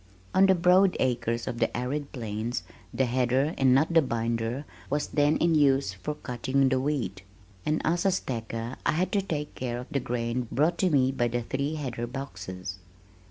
On the broad acres of the arid plains the header and not the binder was then in use for cutting the wheat, and as stacker I had to take care of the grain brought to me by the three header boxes.